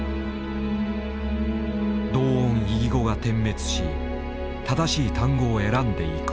同音異義語が点滅し正しい単語を選んでいく。